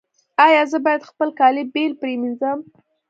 ایا زه باید خپل کالي بیل پریمنځم؟